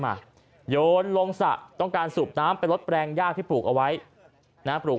มาโยนลงสระต้องการสูบน้ำไปลดแปลงย่างที่ปลูกเอาไว้นะปลูก